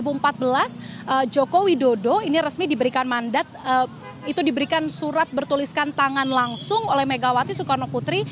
itu tanggal empat belas maret dua ribu empat belas joko widodo ini resmi diberikan mandat itu diberikan surat bertuliskan tangan langsung oleh megawati soekarno putri